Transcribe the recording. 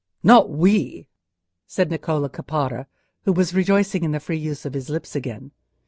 "Not we," said Niccolò Caparra, who was rejoicing in the free use of his lips again.